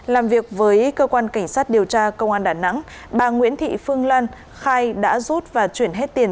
làm việc với cơ quan cảnh sát điều tra công an đà nẵng bà nguyễn thị phương lan khai đã rút và chuyển hết tiền